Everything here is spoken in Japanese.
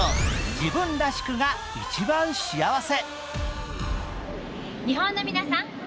自分らしさが一番幸せ。